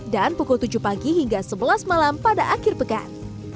dan pukul tujuh pagi hingga sebelas malam pada akhir pekan